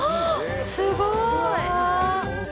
すごい。